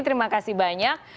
terima kasih banyak